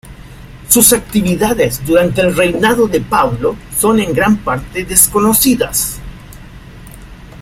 Sus actividades durante el reinado de Pablo son en gran parte desconocidas.